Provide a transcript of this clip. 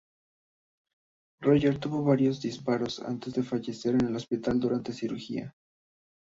Roger tuvo varios disparos antes de fallecer en el hospital durante cirugía.